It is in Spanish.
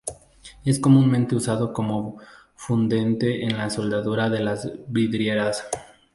Es comúnmente usado como fundente en la soldadura de las vidrieras.